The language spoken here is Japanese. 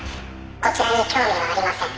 「こちらに興味はありません」